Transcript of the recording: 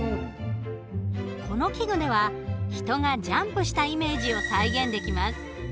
この器具では人がジャンプしたイメージを再現できます。